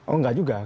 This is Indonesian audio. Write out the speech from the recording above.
oh nggak juga